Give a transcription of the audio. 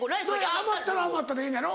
余ったら余ったでええのやろ？